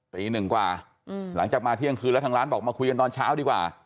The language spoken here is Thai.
ตีหนึ่งกว่าหลังจากมาเที่ยงคืนแล้วทางร้านบอกมาคุยกันตอนเช้าดีกว่า